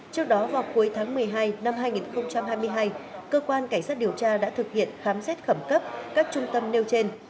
trước đó vào cuối tháng một mươi hai năm hai nghìn hai mươi hai cơ quan cảnh sát điều tra đã thực hiện khám xét khẩn cấp các trung tâm nêu trên